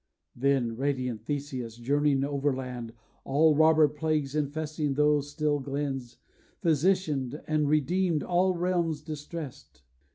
Then radiant Theseus, journeying overland, All robber plagues infesting those still glens Physicianed, and redeemed all realms distressed.